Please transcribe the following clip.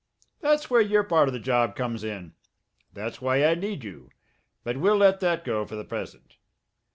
"That's where your part of the job comes in. That's why I need you. But we'll let that go for the present.